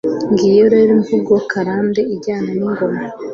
Ngiyo rero imvugo karande ijyana n'ingoma ;